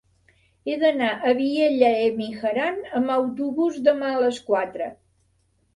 He d'anar a Vielha e Mijaran amb autobús demà a les quatre.